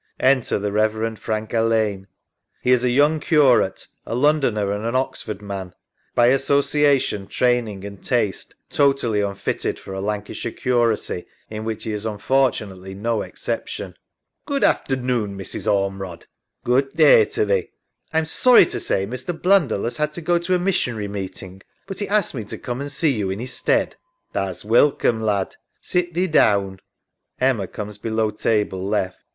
[Enter the Rev. Frank Alleyne. He is a young curate, a Londoner and an Oxford man, by association, training, and taste, totally unfitted for a Lancashire curacy, in which he is unfortunately no exception. ALLEYNE. Good aftemoon, Mrs. Ormerod. LONESOME LIKE 299 SARAH. Good day to thee. ALLEYNE. I'm sorry to say Mr. Blundell has had to go to a missionary meeting, but he asked me to come and see you in his stead. SARAH. Tha's welcoom, lad. Sit thee down. [Emma comes below table left.